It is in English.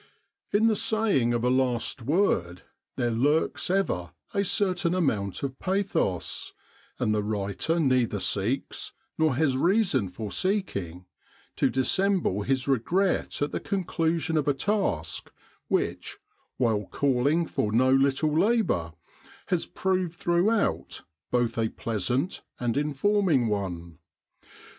In the saying of a last word there lurks ever a certain amount of pathos; and the writer neither seeks, nor has reason for seeking, to dissemble his regret at the conclusion of a task, which, while calling for no little labour, has proved throughout both a pleasant and informing one.